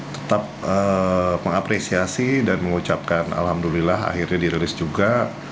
tetap mengapresiasi dan mengucapkan alhamdulillah akhirnya dirilis juga